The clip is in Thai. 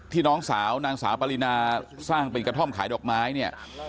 น้องสาวนางสาวปรินาสร้างเป็นกระท่อมขายดอกไม้เนี่ย